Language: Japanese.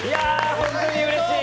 本当にうれしい！